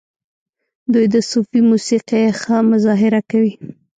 دوی د صوفي موسیقۍ ښه مظاهره کوي.